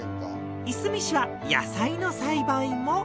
いすみ市は野菜の栽培も盛んなため。